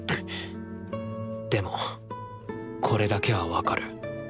でもこれだけは分かる。